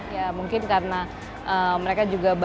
ya mungkin karena mereka juga